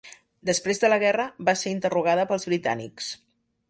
Després de la guerra va ser interrogada pels britànics.